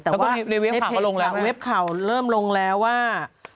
แต่ว่าเว็บข่าวเริ่มลงแล้วว่า